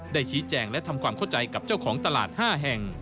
ชี้แจงและทำความเข้าใจกับเจ้าของตลาด๕แห่ง